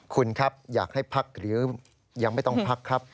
คุณครับอยากให้พักหรือยังไม่ต้องพักครับ